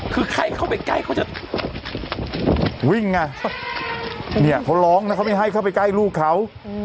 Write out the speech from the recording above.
คือใครเข้าไปใกล้เขาจะวิ่งไงเนี่ยเขาร้องนะเขาไม่ให้เข้าไปใกล้ลูกเขา